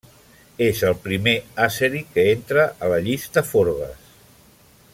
És el primer àzeri que entra a la llista Forbes.